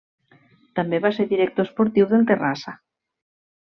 També va ser director esportiu del Terrassa.